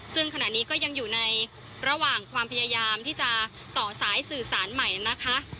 ซึ่งขณะนี้ก็ยังอยู่ในระหว่างความพยายามที่จะต่อสายสื่อสารใหม่นะคะ